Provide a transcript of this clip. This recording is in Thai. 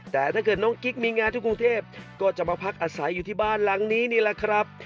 แต่ถ้าเกิดน้องกิ๊กมีงานที่กรุงเทพก็จะมาพักอาศัยอยู่ที่บ้านหลังนี้นี่แหละครับ